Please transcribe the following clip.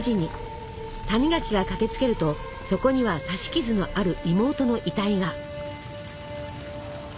谷垣が駆けつけるとそこには刺し傷のある妹の遺体が。